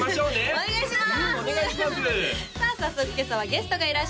お願いします